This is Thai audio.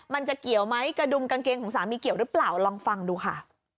มันจะเกี่ยวไหมกระดุมกางเกงของสามีเกี่ยวหรือเปล่าลองฟังดูค่ะ